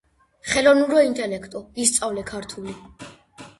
ხელოვნურო ინტელექტო, ისწავლე ქართული.